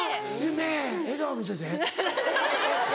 「ねぇ笑顔見せて」。